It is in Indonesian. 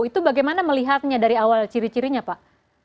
itu bagaimana melihatnya dari awal ciri cirinya pak